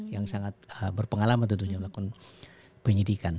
yang sangat berpengalaman tentunya melakukan penyidikan